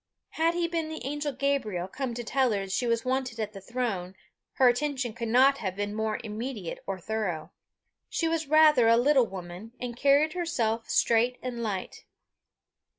Had he been the angel Gabriel, come to tell her she was wanted at the throne, her attention could not have been more immediate or thorough. She was rather a little woman, and carried herself straight and light.